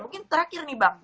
mungkin terakhir nih bang